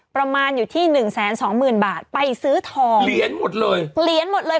ประมาณอยู่ที่หนึ่งแสนสองหมื่นบาทไปซื้อทองเหรียญหมดเลยเหรียญหมดเลย